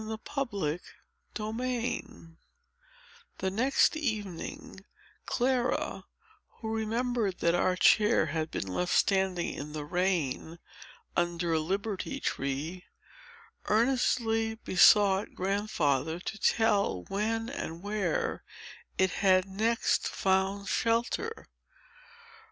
Chapter IV The next evening, Clara, who remembered that our chair had been left standing in the rain, under Liberty Tree, earnestly besought Grandfather to tell when and where it had next found shelter.